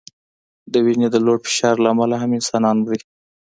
د وینې د لوړ فشار له امله هم انسانان مري.